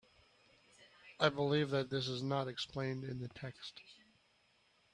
I believe that this is not explained in the text.